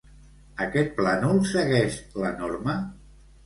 Aquest plànol segueix la norma?